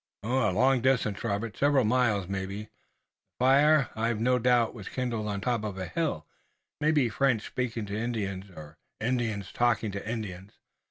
"A long distance, Robert. Several miles maybe. The fire, I've no doubt, was kindled on top of a hill. It may be French speaking to Indians, or Indians talking to Indians."